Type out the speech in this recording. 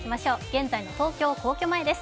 現在の東京・皇居前です。